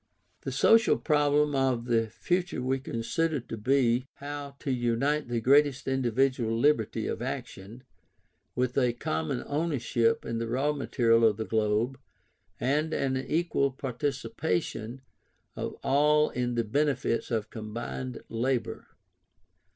The social problem of the future we considered to be, how to unite the greatest individual liberty of action, with a common ownership in the raw material of the globe, and an equal participation of all in the benefits of combined labour.